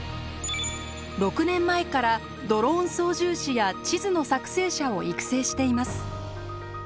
６年前からドローン操縦士や地図の作成者を育成しています。